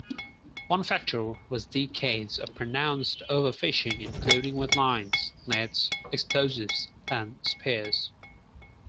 One factor was decades of pronounced overfishing, including with lines, nets, explosives, and spears.